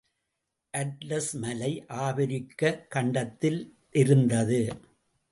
Atlas மலை ஆப்பிரிக்க, கண்டத்திலிருந்தது.